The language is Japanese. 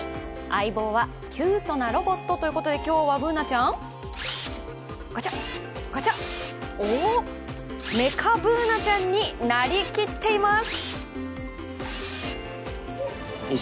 相棒はキュートなロボットということで、今日はＢｏｏｎａちゃん、Ｂｏｏｎａちゃんガチャお、メカＢｏｏｎａちゃんに成りきっています。